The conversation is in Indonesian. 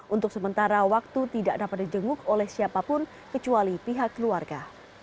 untuk sementara waktu tidak dapat dijenguk oleh siapapun kecuali pihak keluarga